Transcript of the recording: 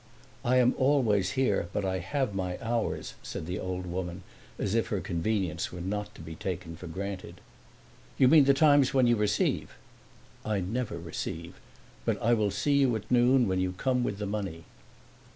"I am always here but I have my hours," said the old woman, as if her convenience were not to be taken for granted. "You mean the times when you receive?" "I never receive. But I will see you at noon, when you come with the money."